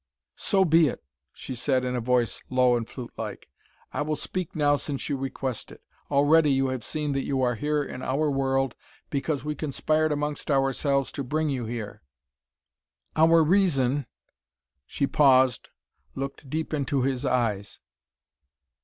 "So be it," she said in a voice low and flutelike. "I will speak now since you request it. Already you have seen that you are here in our world because we conspired amongst ourselves to bring you here. Our reason " She paused, looked deep into his eyes.